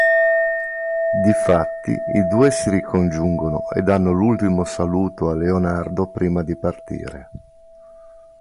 Difatti i due si ricongiungono e danno l'ultimo saluto a Leonardo prima di partire.